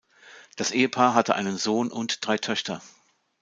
Das Ehepaar hatte einen Sohn und drei Töchter.